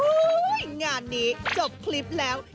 งานนี้จบคลิปแล้ว